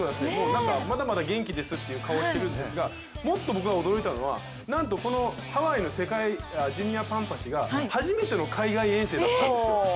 なんかまだまだ元気ですって顔をしてるんですがもっと僕が驚いたのは、ハワイの世界ジュニアパンパシが初めての海外遠征だったんですよ。